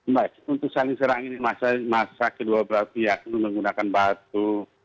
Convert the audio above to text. baik untuk saling serang ini masa kedua belah pihak menggunakan batu